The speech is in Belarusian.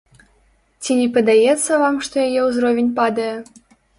Ці не падаецца вам, што яе ўзровень падае?